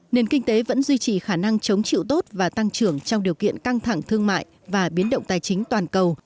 nền kinh tế vẫn duy trì khả năng chống chịu tốt và tăng trưởng trong điều kiện căng thẳng thương mại và biến động tài chính toàn cầu